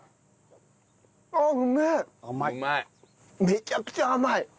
めちゃくちゃ甘い！